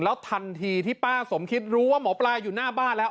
แล้วทันทีที่ป้าสมคิดรู้ว่าหมอปลาอยู่หน้าบ้านแล้ว